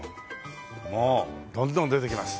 もうどんどん出てきます。